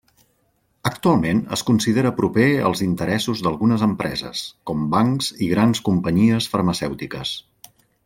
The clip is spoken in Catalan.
Actualment es considera proper als interessos d'algunes empreses, com bancs i grans companyies farmacèutiques.